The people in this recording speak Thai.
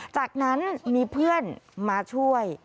จากนั้นมีเพื่อนมาช่วย